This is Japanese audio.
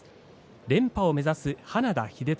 連覇を目指す花田秀虎